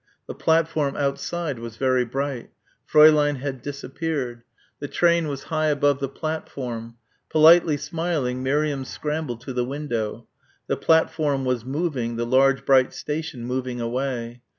The platform outside was very bright. Fräulein had disappeared. The train was high above the platform. Politely smiling Miriam scrambled to the window. The platform was moving, the large bright station moving away.